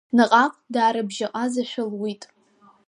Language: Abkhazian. Наҟ-ааҟ даарыбжьаҟазашәа луит.